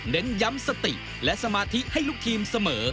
เน้นย้ำสติและสมาธิให้ลูกทีมเสมอ